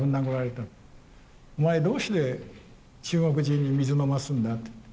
お前どうして中国人に水飲ますんだと。